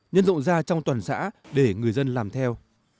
nhân rộng ra trong toàn xã để người dân làm theo